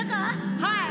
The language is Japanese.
はい。